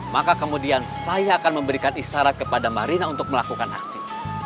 maka kemudian saya akan memberikan isyarat kepada marina untuk melakukan aksi